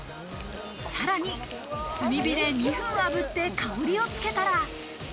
さらに炭火で２分炙って、香りをつけたら。